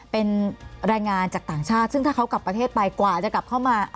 เป็นแรงงานจากต่างชาติซึ่งถ้าเขากลับประเทศไปกว่าจะกลับเข้ามา